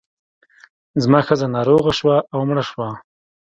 زما ښځه ناروغه شوه او مړه شوه.